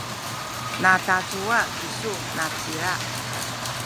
natacuwa kisu nacila?